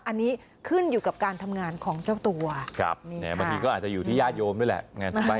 อันนี้ขึ้นอยู่กับการทำงานของเจ้าตัวครับบางทีก็อาจจะอยู่ที่ญาติโยมด้วยแหละ